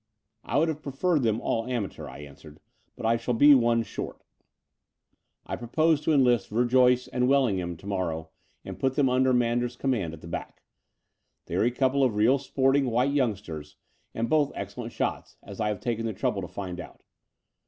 I would have preferred them all amateur," I answered, *'but I shall be one short. I propose 244 Th^ Door of the Unreal to enlist Verjoyce and Wellingham to morrow, and put them under Manders's command at the back. They are a couple of real sporting white young sters, and both excellent shots, as I have taken the trouble to find out.